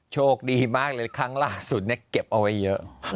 โชคดีมากเลยครั้งล่าสุดเนี่ยเก็บเอาไว้เยอะ